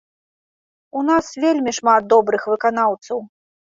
У нас вельмі шмат добрых выканаўцаў.